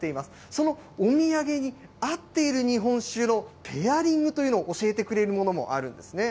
そのお土産に合っている日本酒のペアリングというのを教えてくれるものもあるんですね。